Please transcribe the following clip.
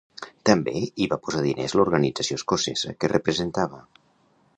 També hi va posar diners l’organització escocesa que representava.